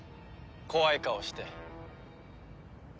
怖い顔して。